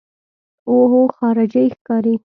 اوهو خارجۍ ښکاري.